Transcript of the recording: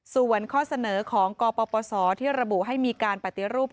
ส่วนข้อเสนอของกปศที่ระบุให้มีการปฏิรูป